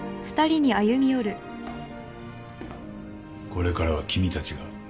これからは君たちが。